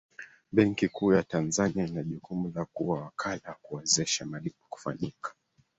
benki kuu ya tanzania ina jukumu la kuwa wakala wa kuwezesha malipo kufanyika